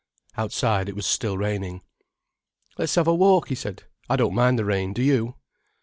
Outside it was still raining. "Let's have a walk," he said. "I don't mind the rain, do you?"